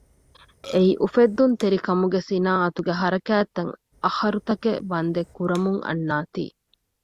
އެއީ އުފެއްދުންތެރކަމުގެ ސިނާއަތުގެ ހަރަކާތްތައް އަހަރުތަކެއް ވަންދެން ކުރަމުން އަންނާތީ